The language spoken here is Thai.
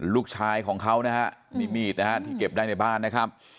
ลูกชายของเขานะฮะนี่มีดนะฮะที่เก็บได้ในบ้านนะครับ